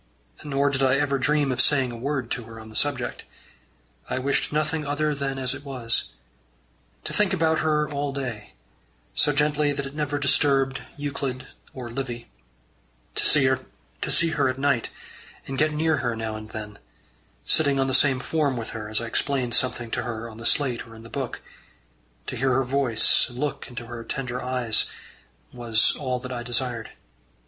Nor did I ever dream of saying a word to her on the subject. I wished nothing other than as it was. To think about her all day, so gently that it never disturbed Euclid or Livy; to see her at night, and get near her now and then, sitting on the same form with her as I explained something to her on the slate or in her book; to hear her voice, and look into her tender eyes, was all that I desired.